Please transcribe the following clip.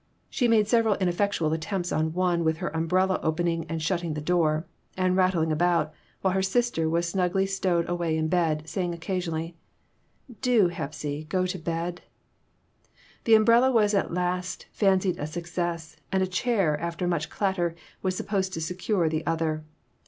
She made several ineffectual attempts on one with her umbrella, opening and shutting the door, and rattling about, while her sister was snugly stowed away in the bed, saying occasionally "Do, Hepsy, go to bed." The umbrella was at last fancied a success, and a chair, after much clatter, was supposed to secure the other.